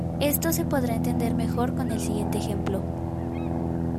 Esto se podrá entender mejor con el siguiente ejemplo.